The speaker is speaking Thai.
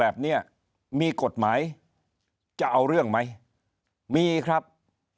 ที่แก๊งหมวกกันนก